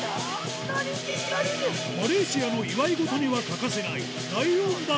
マレーシアの祝い事には欠かせない